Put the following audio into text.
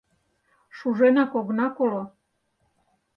Шуженак огына коло.